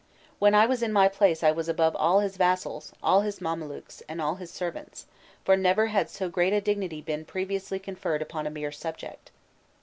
When I was in my place I was above all his vassals, all his mamelukes, and all his servants, for never had so great a dignity been previously conferred upon a mere subject.